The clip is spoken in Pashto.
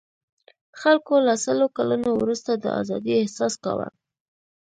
خلکو له سلو کلنو وروسته د آزادۍاحساس کاوه.